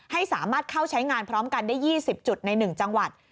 ให้สามารถเข้าใช้งานพร้อมกันได้๒๐จุดใน๑จังหวัด